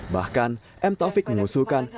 bahkan m taufik mengusulkan